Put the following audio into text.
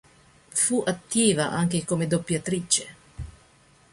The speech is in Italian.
Fu attiva anche come doppiatrice.